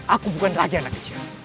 aku bukan lagi anak kecil